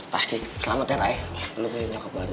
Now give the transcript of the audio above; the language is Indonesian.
pasti selamat ya ray lo jadi nyokap baru